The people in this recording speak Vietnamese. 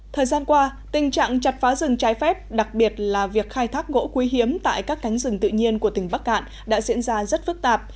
thời gian qua tình trạng chặt phá rừng trái phép đặc biệt là việc khai thác gỗ quý hiếm tại các cánh rừng tự nhiên của tỉnh bắc cạn đã diễn ra rất phức tạp